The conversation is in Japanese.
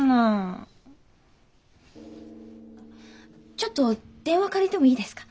ちょっと電話借りてもいいですか？